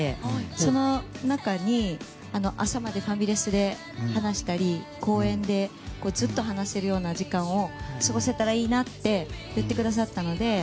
その中に朝までファミレスで話したり公園でずっと話しているような時間を過ごせたらいいなって言ってくださったので。